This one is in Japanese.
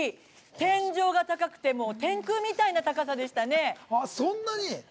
天井が高くて天空みたいな高さでしたね。